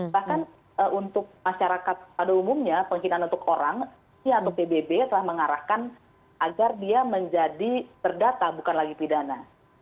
bahkan untuk masyarakat pada umumnya penghinaan untuk orang atau pbb telah mengarahkan agar dia menjadi terdata bukan lagi pidana